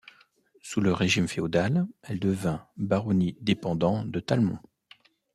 Sous le régime féodal, elle devint baronnie dépendant de Talmont.